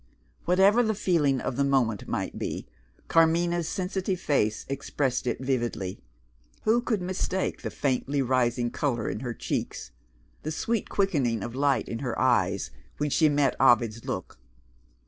Whatever the feeling of the moment might be, Carmina's sensitive face expressed it vividly. Who could mistake the faintly rising colour in her cheeks, the sweet quickening of light in her eyes, when she met Ovid's look?